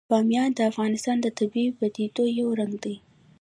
بامیان د افغانستان د طبیعي پدیدو یو رنګ دی.